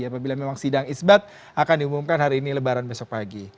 apabila memang sidang isbat akan diumumkan hari ini lebaran besok pagi